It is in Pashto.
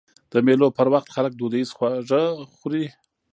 د مېلو پر وخت خلک دودیز خواږه خوري.